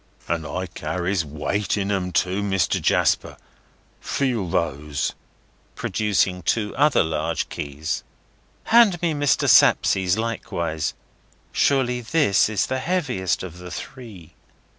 "And I carries weight in 'em too, Mr. Jasper. Feel those!" producing two other large keys. "Hand me Mr. Sapsea's likewise. Surely this is the heaviest of the three."